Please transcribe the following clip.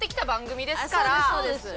そうですよ。